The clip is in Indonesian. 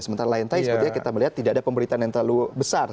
sementara lion tadi sepertinya kita melihat tidak ada pemberitaan yang terlalu besar